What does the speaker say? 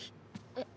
えっ？